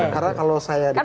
karena kalau saya dikasih